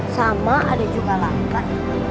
sama adek juga lapar